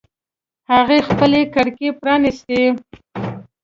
هغې خپلې کړکۍ پرانیستې